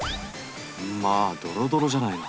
まあドロドロじゃないの。